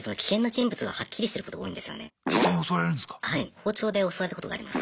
包丁で襲われたことがあります。